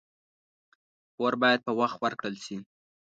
پور باید په وخت ورکړل شي.